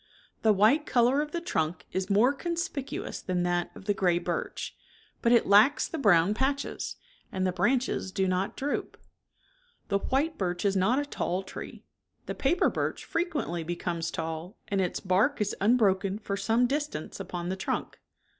The white color of the trunk /> VT^ V is more conspicuous than that of the / N^^ gray birch, but it lacks the brown f v/^L "^\ patches, and the branches do not V^ droop. The white birch is not a tall tree ; the paper birch frequently becomes tall, and its bark is unbroken for some distance upon the trunk.